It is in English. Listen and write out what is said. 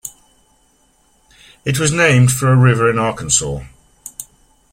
It was named for a river in Arkansas.